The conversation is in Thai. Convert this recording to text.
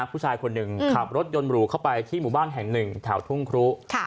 ผู้ชายคนหนึ่งขับรถยนต์หรูเข้าไปที่หมู่บ้านแห่งหนึ่งแถวทุ่งครุ